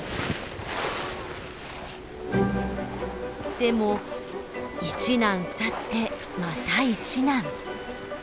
でも一難去ってまた一難。